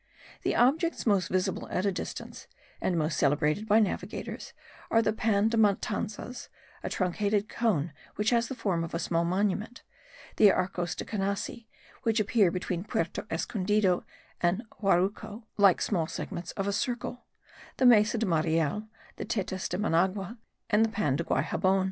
The objects most visible at a distance, and most celebrated by navigators, are the Pan de Matanzas, a truncated cone which has the form of a small monument; the Arcos de Canasi, which appear between Puerto Escondido and Jaruco, like small segments of a circle; the Mesa de Mariel, the Tetas de Managua, and the Pan de Guaixabon.